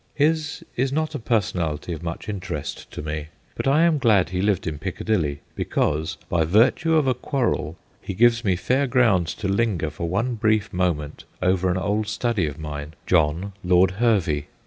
His is not a personality of much interest to me, but I am glad he lived in Piccadilly, because by virtue of a quarrel he gives me fair ground to linger for one brief moment over an old study of mine, John, Lord Hervey.